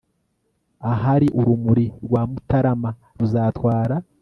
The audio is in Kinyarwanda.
ahari urumuri rwa mutarama ruzatwara